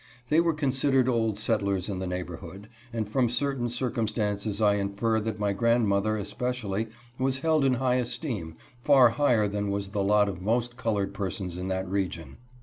They were considered old settlers in the neighborhood, and from certain circumstances I infer that my grandmother, especially, was held in high esteem, far higher than was the lot of most colored persons in that region.